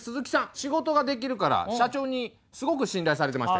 仕事ができるから社長にすごく信頼されてまして。